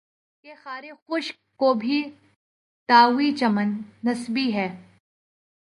کہ خارِ خشک کو بھی دعویِ چمن نسبی ہے